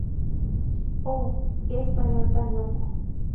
¡ oh!... ¡ qué español tan loco!